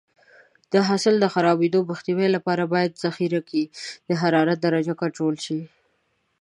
د حاصل د خرابېدو مخنیوي لپاره باید ذخیره کې د حرارت درجه کنټرول شي.